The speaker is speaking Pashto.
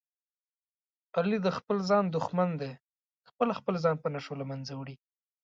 علي د خپل ځان دښمن دی، خپله خپل ځان په نشو له منځه وړي.